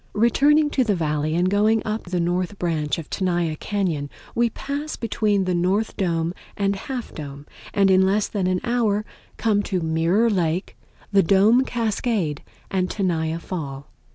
Returning to the Valley, and going up the north branch of Tenaya Cañon, we pass between the North Dome and Half Dome, and in less than an hour come to Mirror Lake, the Dome Cascade and Tenaya Fall.